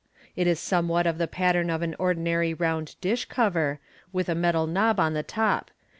It is somewhat of the pattern of an ordinary round dish cover, with a metal knob on the top.